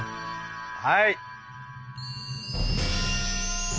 はい。